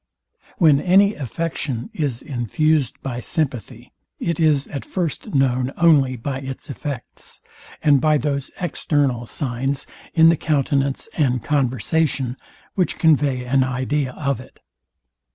When any affection is infused by sympathy, it is at first known only by its effects, and by those external signs in the countenance and conversation, which convey an idea of it.